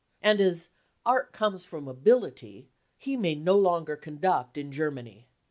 And as " Art homes from ability," he may no longer conduct in Germany.